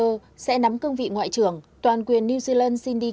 và ông christopher luxon sẽ nắm cương vị ngoại trưởng toàn quyền new zealand cindy kiro